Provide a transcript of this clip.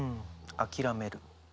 諦める。